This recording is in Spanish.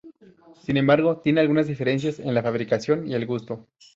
Sin embargo, tienen algunas diferencias en la fabricación y el gusto.